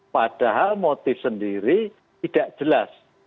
padahal motif sendiri tidak jelas